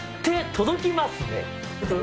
届きますね。